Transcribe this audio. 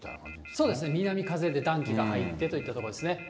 そうですね、南風で暖気が入ってといったところですね。